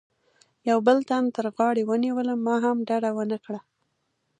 یوه بل تن تر غاړې ونیولم، ما هم ډډه و نه کړه.